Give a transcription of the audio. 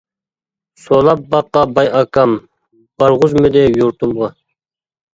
سولاپ باغقا باي ئاكام، بارغۇزمىدى يۇرتۇمغا.